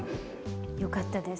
よかったです。